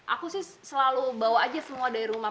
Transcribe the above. aku sih selalu bawa aja semua dari rumah